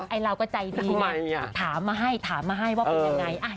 ไอ้เราก็ใจดีไงถามมาให้ถามมาให้ว่าเป็นยังไง